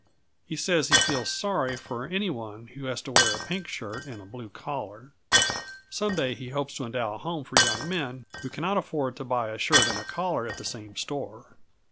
He says he feels sorry for any one who has to wear a pink shirt with a blue collar. Some day he hopes to endow a home for young men who cannot afford to buy a shirt and a collar at the same store.